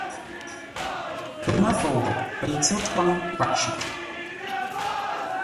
Pəmə́fou, Pei tsə́t kwáŋ kwaʼ shʉʼʉ.